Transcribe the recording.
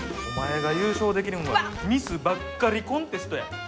お前が優勝できるんはミスばっかりコンテストや。